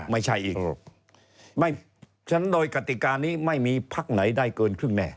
ไม่ใช่อีกฉะนั้นโดยกติกานี้ไม่มีพักไหนได้เกินครึ่งแน่